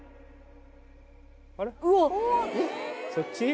そっち？